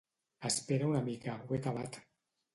Espera una mica. No he acabat.